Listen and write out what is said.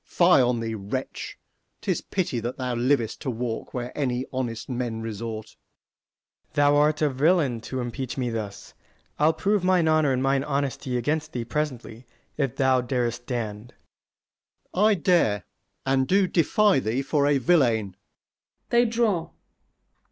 Fie on thee, wretch! 'tis pity that thou livest To walk where any honest men resort. Ant. S. Thou art a villain to impeach me thus: I'll prove mine honour and mine honesty 30 Against thee presently, if thou darest stand. Sec. Mer. I dare, and do defy thee for a villain. [_They draw.